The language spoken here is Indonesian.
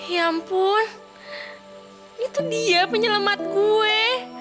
ya ampun itu dia penyelamat kue